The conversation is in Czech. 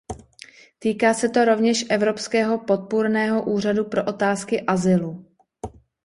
Týká se to rovněž Evropského podpůrného úřadu pro otázky azylu.